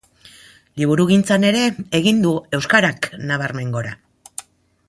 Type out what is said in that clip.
Liburugintzan ere egin du euskarak nabarmen gora.